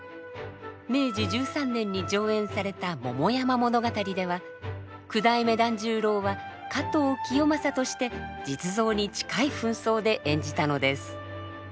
明治１３年に上演された「桃山譚」では九代目團十郎は加藤清正として実像に近い扮装で演じたのです。